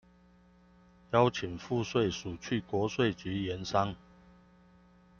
邀請賦稅署去國稅局研商